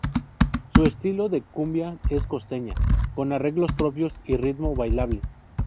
Su estilo de cumbia es costeña, con arreglos propios y ritmo bailable.